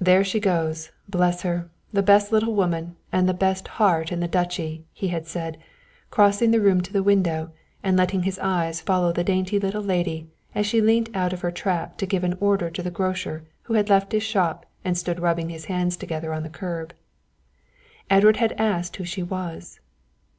"There she goes, bless her, the best little woman and the best heart in the Duchy," he had said, crossing the room to the window and letting his eyes follow the dainty little lady as she leant out of her trap to give an order to the grocer who had left his shop and stood rubbing his hands together on the curb. Edward had asked who she was.